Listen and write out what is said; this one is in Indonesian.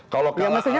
kalau kalau hal ini